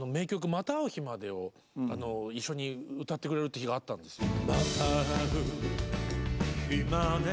「また逢う日まで」を一緒に歌ってくれるって日があったんですよ。